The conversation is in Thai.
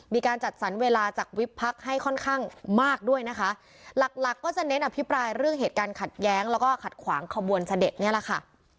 มีการจัดสรรเวลาจากวิบพักให้ค่อนข้างมากด้วยนะคะหลักหลักก็จะเน้นอภิปรายเรื่องเหตุการณ์ขัดแย้งแล้วก็ขัดขวางขบวนเสด็จเนี่ยแหละค่ะ